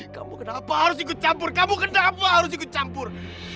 kamu kenapa harus ikut campur kamu kenapa harus ikut campur